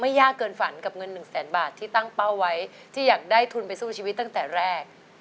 ยากเกินฝันกับเงินหนึ่งแสนบาทที่ตั้งเป้าไว้ที่อยากได้ทุนไปสู้ชีวิตตั้งแต่แรก